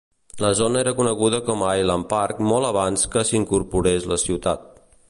La zona era coneguda com a Island Park molt abans que s'incorporés la ciutat.